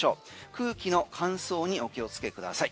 空気の乾燥にお気をつけください。